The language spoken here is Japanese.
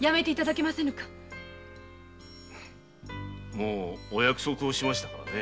もうお約束をしましたからね。